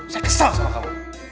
saya kesal sama kamu